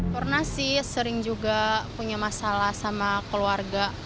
pernah sih sering juga punya masalah sama keluarga